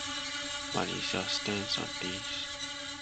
What is your stance on this?